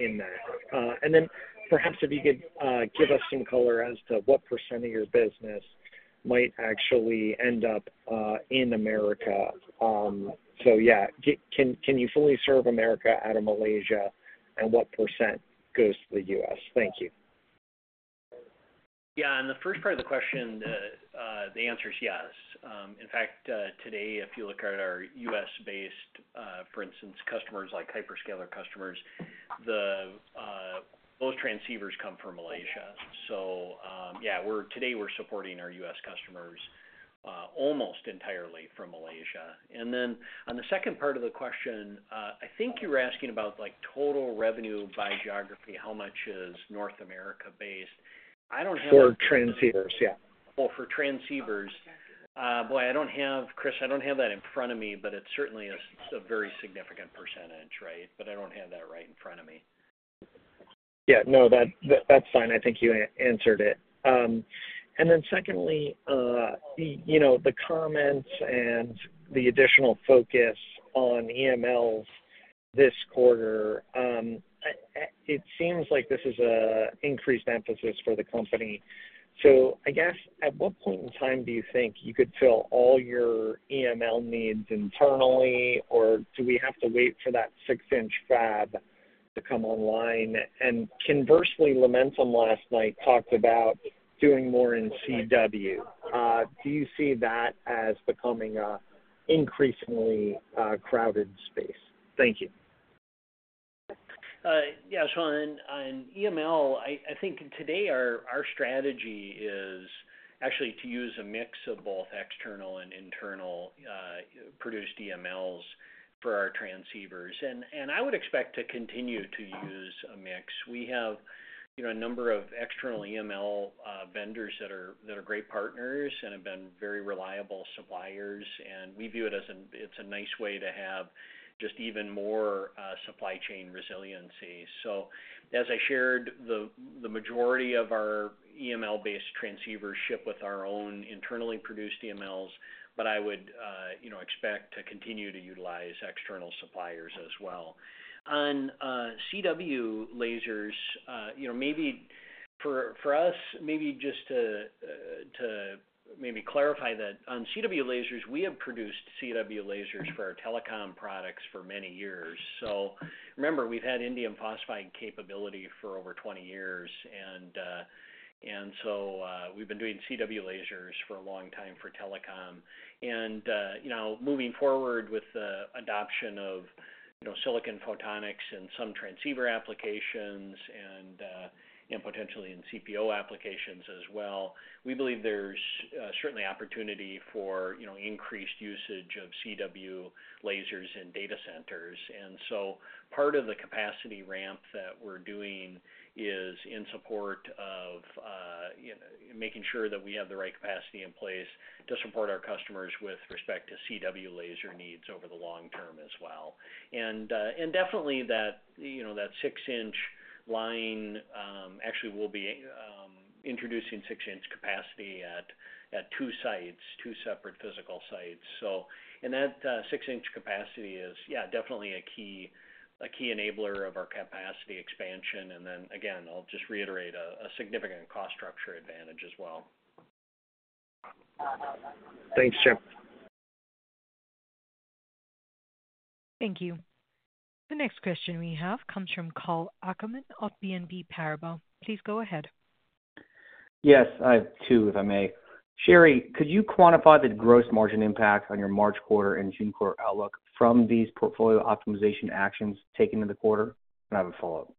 in that? Perhaps if you could give us some color as to what % of your business might actually end up in America. Yeah, can you fully serve America out of Malaysia, and what % goes to the U.S.? Thank you. Yeah. The first part of the question, the answer is yes. In fact, today, if you look at our U.S.-based, for instance, customers like Hyperscaler customers, most transceivers come from Malaysia. Yeah, today we're supporting our U.S. customers almost entirely from Malaysia. On the second part of the question, I think you were asking about total revenue by geography, how much is North America-based? I don't have it. For transceivers, yeah. For transceivers, Chris, I don't have that in front of me, but it's certainly a very significant percentage, right? I don't have that right in front of me. Yeah, that's fine. I think you answered it. Secondly, the comments and the additional focus on EMLs this quarter, it seems like this is an increased emphasis for the company. I guess at what point in time do you think you could fill all your EML needs internally, or do we have to wait for that 6-inch fab to come online? Conversely, Lumentum last night talked about doing more in CW. Do you see that as becoming an increasingly crowded space? Thank you. Yeah, Sean, on EML, I think today our strategy is actually to use a mix of both external and internally produced EMLs for our transceivers. I would expect to continue to use a mix. We have a number of external EML vendors that are great partners and have been very reliable suppliers. We view it as a nice way to have just even more supply chain resiliency. As I shared, the majority of our EML-based transceivers ship with our own internally produced EMLs, but I would expect to continue to utilize external suppliers as well. On CW lasers, maybe just to clarify that on CW lasers, we have produced CW lasers for our telecom products for many years. Remember, we've had indium phosphide capability for over 20 years. We've been doing CW lasers for a long time for telecom. Moving forward with the adoption of silicon photonics in some transceiver applications and potentially in CPO applications as well, we believe there's certainly opportunity for increased usage of CW lasers in data centers. Part of the capacity ramp that we are doing is in support of making sure that we have the right capacity in place to support our customers with respect to CW laser needs over the long term as well. Definitely that 6-inch line actually will be introducing 6-inch capacity at two sites, two separate physical sites. That 6-inch capacity is definitely a key enabler of our capacity expansion. I will just reiterate a significant cost structure advantage as well. Thanks, Jim. Thank you. The next question we have comes from Karl Ackerman of BNP Paribas. Please go ahead. Yes, I have two, if I may. Sherri, could you quantify the gross margin impact on your March quarter and June quarter outlook from these portfolio optimization actions taken in the quarter? I have a follow-up.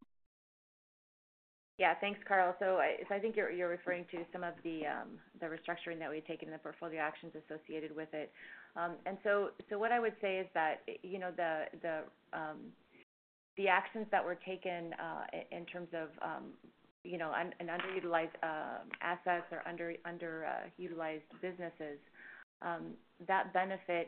Yeah, thanks, Carl. I think you're referring to some of the restructuring that we've taken in the portfolio actions associated with it. What I would say is that the actions that were taken in terms of an underutilized asset or underutilized businesses, that benefit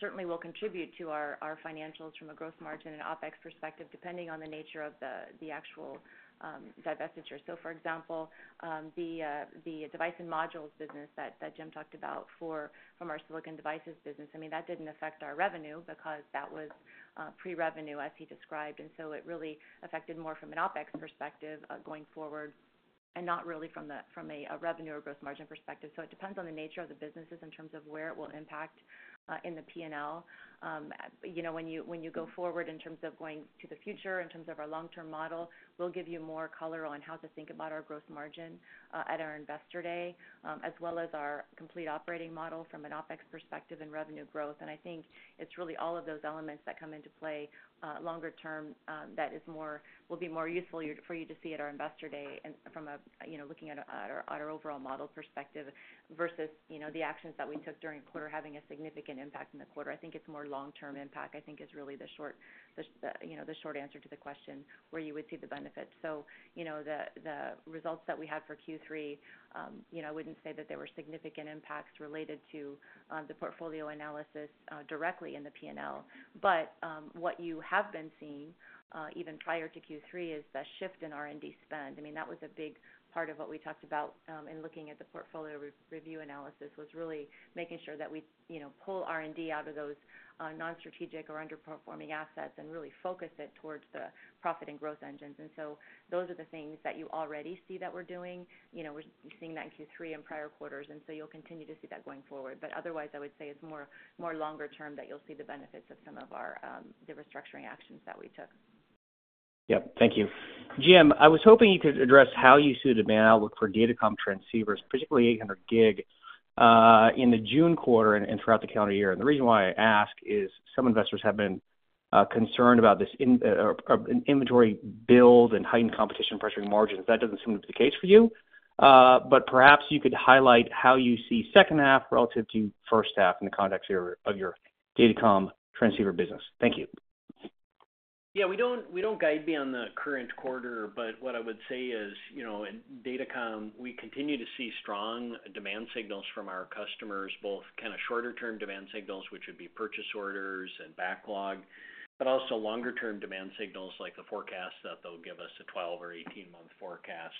certainly will contribute to our financials from a gross margin and OPEX perspective, depending on the nature of the actual divestiture. For example, the device and modules business that Jim talked about from our silicon devices business, I mean, that didn't affect our revenue because that was pre-revenue, as he described. It really affected more from an OPEX perspective going forward and not really from a revenue or gross margin perspective. It depends on the nature of the businesses in terms of where it will impact in the P&L. When you go forward in terms of going to the future, in terms of our long-term model, we'll give you more color on how to think about our gross margin at our investor day, as well as our complete operating model from an OpEx perspective and revenue growth. I think it's really all of those elements that come into play longer term that will be more useful for you to see at our investor day from looking at our overall model perspective versus the actions that we took during the quarter having a significant impact in the quarter. I think it's more long-term impact, I think, is really the short answer to the question where you would see the benefit. The results that we had for Q3, I wouldn't say that there were significant impacts related to the portfolio analysis directly in the P&L. What you have been seeing even prior to Q3 is the shift in R&D spend. I mean, that was a big part of what we talked about in looking at the portfolio review analysis was really making sure that we pull R&D out of those non-strategic or underperforming assets and really focus it towards the profit and growth engines. Those are the things that you already see that we're doing. We're seeing that in Q3 and prior quarters. You will continue to see that going forward. Otherwise, I would say it's more longer term that you'll see the benefits of some of our restructuring actions that we took. Yep. Thank you. Jim, I was hoping you could address how you see the demand outlook for datacom transceivers, particularly 800 gig, in the June quarter and throughout the calendar year. The reason why I ask is some investors have been concerned about this inventory build and heightened competition pressuring margins. That does not seem to be the case for you. Perhaps you could highlight how you see second half relative to first half in the context of your datacom transceiver business. Thank you. Yeah, we do not guide beyond the current quarter. What I would say is in datacom, we continue to see strong demand signals from our customers, both kind of shorter-term demand signals, which would be purchase orders and backlog, but also longer-term demand signals like the forecast that they will give us, a 12 or 18-month forecast.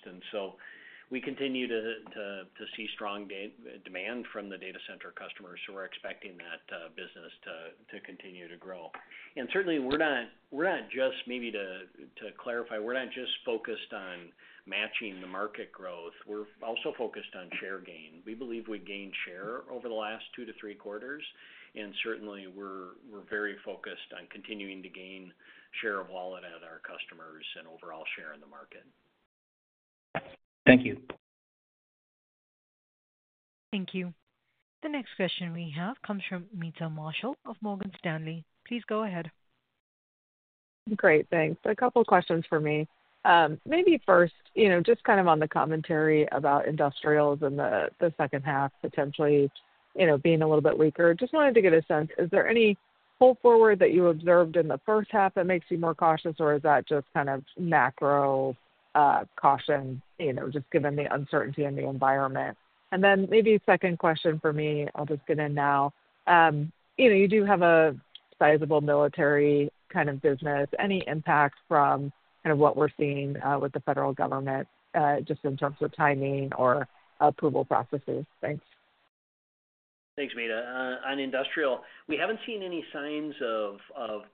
We continue to see strong demand from the data center customers. We are expecting that business to continue to grow. Certainly, we're not just, maybe to clarify, we're not just focused on matching the market growth. We're also focused on share gain. We believe we gained share over the last two to three quarters. Certainly, we're very focused on continuing to gain share of wallet out of our customers and overall share in the market. Thank you. Thank you. The next question we have comes from Meta Marshall of Morgan Stanley. Please go ahead. Great. Thanks. A couple of questions for me. Maybe first, just kind of on the commentary about industrials and the second half potentially being a little bit weaker. Just wanted to get a sense, is there any pull forward that you observed in the first half that makes you more cautious, or is that just kind of macro caution just given the uncertainty in the environment? Maybe second question for me, I'll just get in now. You do have a sizable military kind of business. Any impact from what we're seeing with the federal government just in terms of timing or approval processes? Thanks. Thanks, Meta. On industrial, we haven't seen any signs of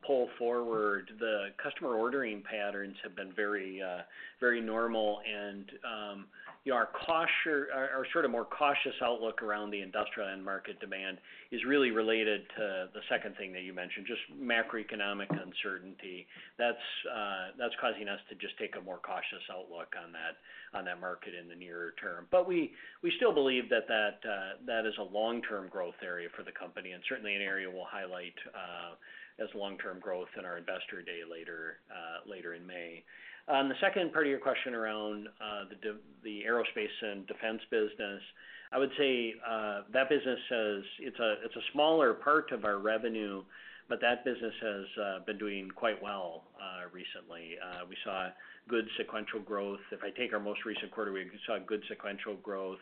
pull forward. The customer ordering patterns have been very normal. Our sort of more cautious outlook around the industrial and market demand is really related to the second thing that you mentioned, just macroeconomic uncertainty. That's causing us to just take a more cautious outlook on that market in the near term. We still believe that that is a long-term growth area for the company and certainly an area we'll highlight as long-term growth in our investor day later in May. On the second part of your question around the aerospace and defense business, I would say that business is a smaller part of our revenue, but that business has been doing quite well recently. We saw good sequential growth. If I take our most recent quarter, we saw good sequential growth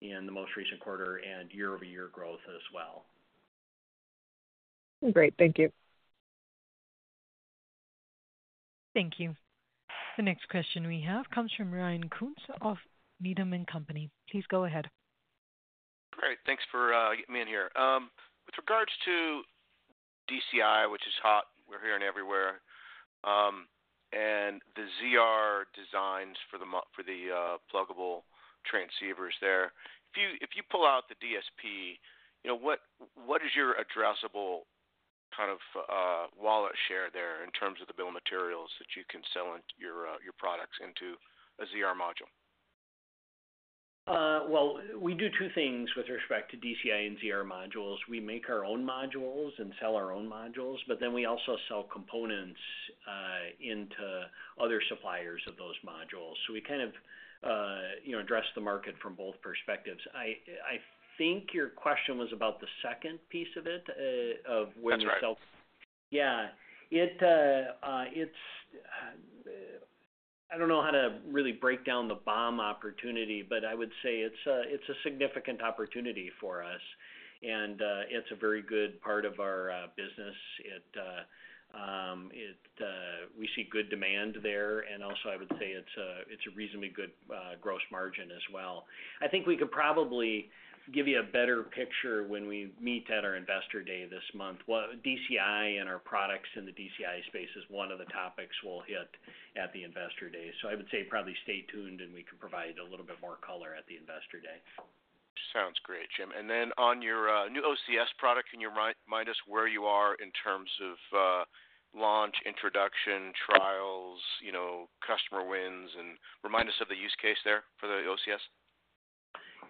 in the most recent quarter and year-over-year growth as well. Great. Thank you. Thank you. The next question we have comes from Ryan Koontz of Needham & Company. Please go ahead. Great. Thanks for getting me in here. With regards to DCI, which is hot we're hearing everywhere, and the ZR designs for the pluggable transceivers there, if you pull out the DSP, what is your addressable kind of wallet share there in terms of the bill of materials that you can sell your products into a ZR module? We do two things with respect to DCI and ZR modules. We make our own modules and sell our own modules, but then we also sell components into other suppliers of those modules. We kind of address the market from both perspectives. I think your question was about the second piece of it of when you sell. That's right. Yeah. I don't know how to really break down the BOM opportunity, but I would say it's a significant opportunity for us. And it's a very good part of our business. We see good demand there. And also, I would say it's a reasonably good gross margin as well. I think we could probably give you a better picture when we meet at our investor day this month. DCI and our products in the DCI space is one of the topics we'll hit at the investor day. I would say probably stay tuned, and we can provide a little bit more color at the investor day. Sounds great, Jim. On your new OCS product, can you remind us where you are in terms of launch, introduction, trials, customer wins, and remind us of the use case there for the OCS?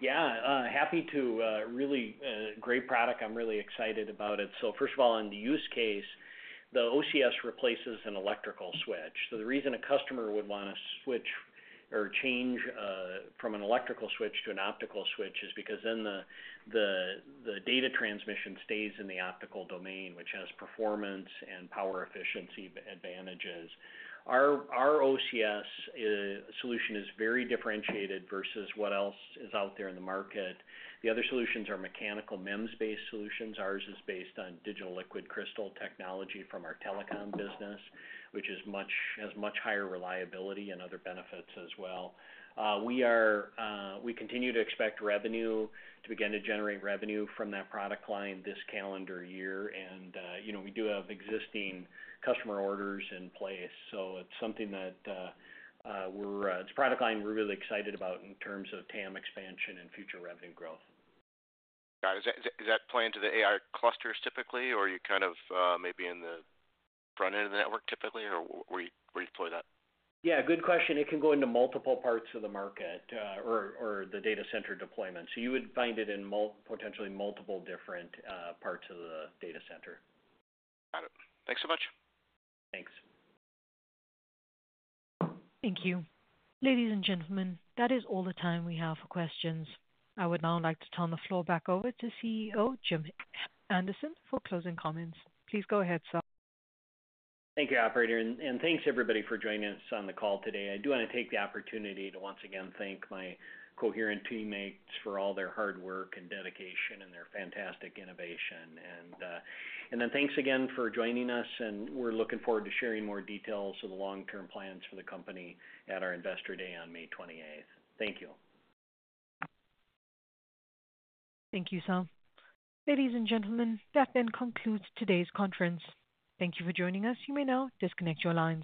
Yeah. Happy to. Really great product. I'm really excited about it. First of all, in the use case, the OCS replaces an electrical switch. The reason a customer would want to switch or change from an electrical switch to an optical switch is because then the data transmission stays in the optical domain, which has performance and power efficiency advantages. Our OCS solution is very differentiated versus what else is out there in the market. The other solutions are mechanical MEMS-based solutions. Ours is based on digital liquid crystal technology from our telecom business, which has much higher reliability and other benefits as well. We continue to expect to generate revenue from that product line this calendar year. We do have existing customer orders in place. It is a product line we're really excited about in terms of TAM expansion and future revenue growth. Got it. Is that playing to the AI clusters typically, or are you kind of maybe in the front end of the network typically, or where do you deploy that? Yeah. Good question. It can go into multiple parts of the market or the data center deployment. You would find it in potentially multiple different parts of the data center. Got it. Thanks so much. Thanks. Thank you. Ladies and gentlemen, that is all the time we have for questions. I would now like to turn the floor back over to CEO Jim Anderson for closing comments. Please go ahead, sir. Thank you, operator. And thanks, everybody, for joining us on the call today. I do want to take the opportunity to once again thank my Coherent teammates for all their hard work and dedication and their fantastic innovation. And then thanks again for joining us. And we're looking forward to sharing more details of the long-term plans for the company at our investor day on May 28th. Thank you. Thank you, sir. Ladies and gentlemen, that then concludes today's conference. Thank you for joining us. You may now disconnect your lines.